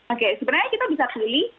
oke sebenarnya kita bisa pilih